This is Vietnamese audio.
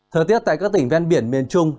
thời tiết tại các tỉnh ven biển miền trung